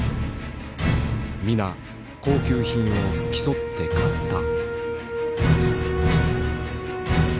皆高級品を競って買った。